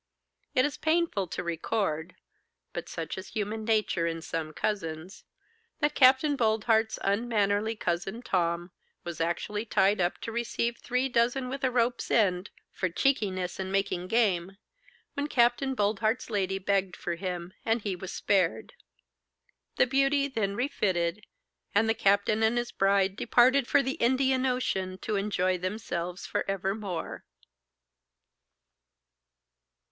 It is painful to record (but such is human nature in some cousins) that Capt. Boldheart's unmannerly Cousin Tom was actually tied up to receive three dozen with a rope's end 'for cheekiness and making game,' when Capt. Boldheart's lady begged for him, and he was spared. 'The Beauty' then refitted, and the captain and his bride departed for the Indian Ocean to enjoy themselves for evermore.